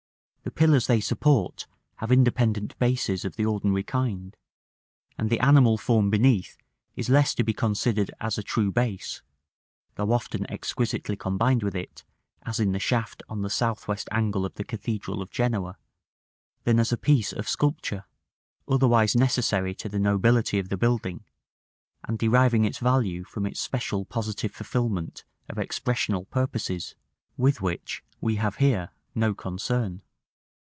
The pillars they support have independent bases of the ordinary kind; and the animal form beneath is less to be considered as a true base (though often exquisitely combined with it, as in the shaft on the south west angle of the cathedral of Genoa) than as a piece of sculpture, otherwise necessary to the nobility of the building, and deriving its value from its special positive fulfilment of expressional purposes, with which we have here no concern.